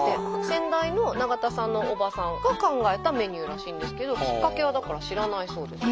先代の永田さんの叔母さんが考えたメニューらしいんですけどきっかけはだから知らないそうです。